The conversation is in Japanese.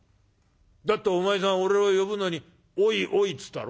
だってお前さん俺を呼ぶのに『おいおい』っつったろ。